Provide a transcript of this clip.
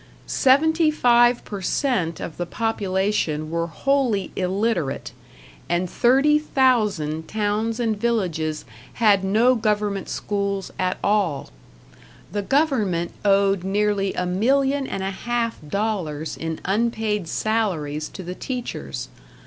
Seventy five per cent of the population were wholly illiterate, and 30,000 towns and villages had no government schools at all. The government owed nearly a million and a half dollars in unpaid salaries to the teachers.